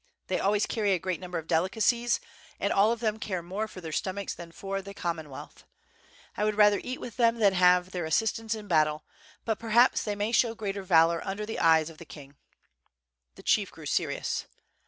They always carry a great number of delicacies, and all of them care more for their stomachs than for the Common wealth. I would rather eat with them than have their as sistance in battle, but perhaps they may show greater valor under the eyes of the king.'* The chief grew serious.